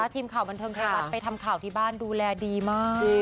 ทีมข่าวบันเทิงไทยรัฐไปทำข่าวที่บ้านดูแลดีมาก